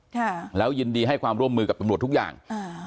ค่ะแล้วยินดีให้ความร่วมมือกับตำรวจทุกอย่างอ่า